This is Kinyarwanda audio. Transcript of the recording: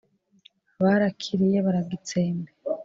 barakiriye baragitsembe